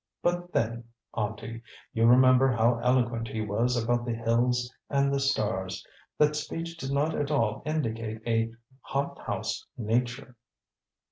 But then, Auntie, you remember how eloquent he was about the hills and the stars. That speech did not at all indicate a hothouse nature."